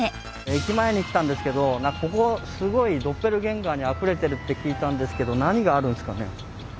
駅前に来たんですけどここすごいドッペルゲンガーにあふれてるって聞いたんですけど何があるんすかね？